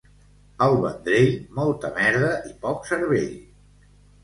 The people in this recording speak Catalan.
Al Vendrell, molta merda i poc cervell.